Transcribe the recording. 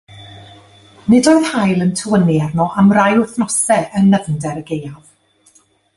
Nid oedd haul yn tywynnu arno am rai wythnosau yn nyfnder y gaeaf.